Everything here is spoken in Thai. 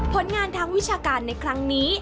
ผลงานทางวิชาการในครั้งนี้